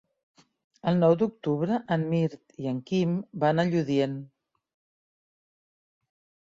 El nou d'octubre en Mirt i en Quim van a Lludient.